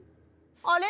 あれ？